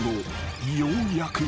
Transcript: ［ようやく］